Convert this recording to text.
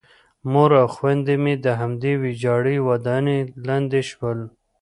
مور او خویندې مې د همدې ویجاړې ودانۍ لاندې شول